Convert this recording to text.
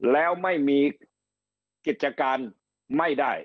แล้วไม่มีกิจการไม่ได้